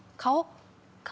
顔？